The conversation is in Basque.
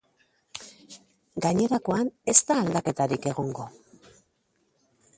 Gainerakoan ez da aldaketarik egongo.